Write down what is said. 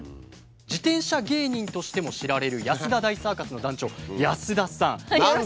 自転車芸人としても知られる安田大サーカスの団長安田さん。